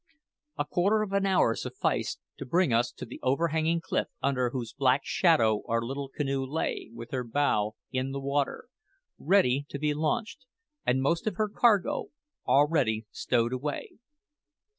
A quarter of an hour sufficed to bring us to the overhanging cliff under whose black shadow our little canoe lay, with her bow in the water, ready to be launched, and most of her cargo already stowed away.